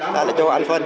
ta lại cho nó ăn phân